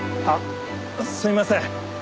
あっすいません。